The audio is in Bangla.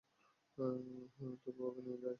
তোর বাবাকে নিয়ে আয়।